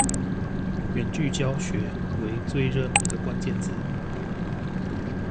遠距教學為最熱門的關鍵字